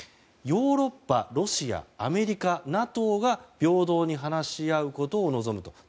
ヨーロッパ、ロシアアメリカ、ＮＡＴＯが平等に話し合うことを望むと。